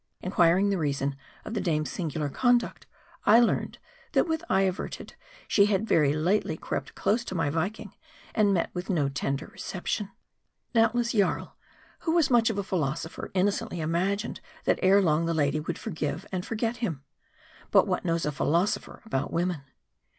Inquiring the reason of the dame's singular conduct, I learned, that with eye averted, she had very lately crept close to my Viking, and met with no tender reception. fr3 Doubtless, Jarl, who was much of a philosopher, inno cently imagine^ that ere long the lady would ibrgive and forget him. But what knows a philosopher about women